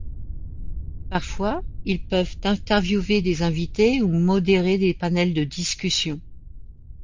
Parfois, ils peuvent interviewer des invités ou modérer des panels de discussion.